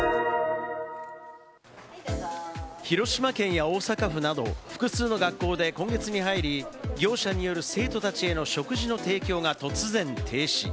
広島県や大阪府など複数の学校で今月に入り、業者による生徒たちへの食事の提供が突然停止。